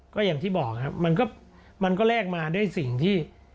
ก็อย่างที่บอกครับมันก็แลกมาด้วยสิ่งที่